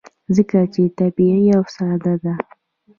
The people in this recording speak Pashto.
ځکه چې طبیعي او ساده ده.